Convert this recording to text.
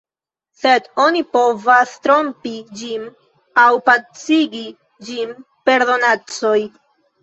Sed oni povas trompi ĝin aŭ pacigi ĝin per donacoj.